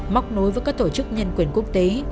móc nối với các tổ chức nhân quyền quốc tế